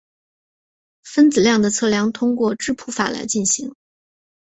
分子量的测量通过质谱法来进行。